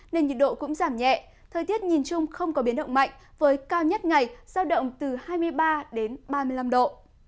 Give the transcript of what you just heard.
nên nhiệt độ cũng giảm nhẹ thời tiết nhìn chung không có biến động mạnh với cao nhất ngày sao động từ hai mươi ba đến ba mươi năm độ